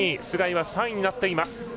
須貝は３位になっています。